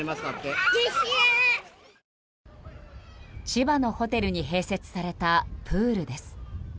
千葉のホテルに併設されたプールです。